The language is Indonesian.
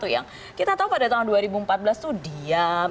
yang kita tahu pada tahun dua ribu empat belas itu diam